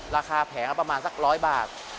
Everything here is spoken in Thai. ราคาแผงก็ประมาณสัก๑๐๐บาท